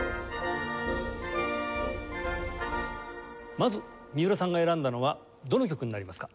まず三浦さんが選んだのはどの曲になりますか？